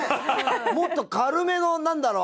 もっと軽めのなんだろう？